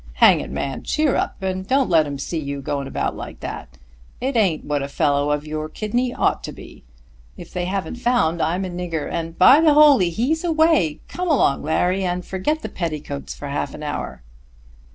Hang it, man, cheer up, and don't let 'em see you going about like that. It ain't what a fellow of your kidney ought to be. If they haven't found I'm a nigger, and by the holy he's away. Come along Larry and forget the petticoats for half an hour."